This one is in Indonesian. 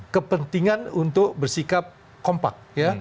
kepentingan untuk bersikap kompak ya